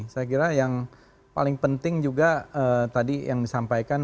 saya kira yang paling penting juga tadi yang disampaikan